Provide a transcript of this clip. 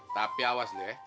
tapi awas deh